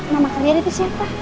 nama kalian itu siapa